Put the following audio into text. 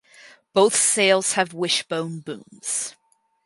Both sails have wishbone booms.